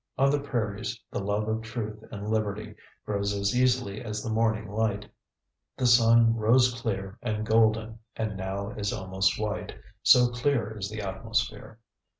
On the prairies the love of truth and liberty grows as easily as the morning light. The sun rose clear and golden and now is almost white, so clear is the atmosphere.